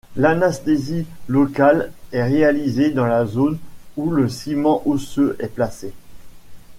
L'anasthésie locale est réalisée dans la zone où le ciment osseux est placée.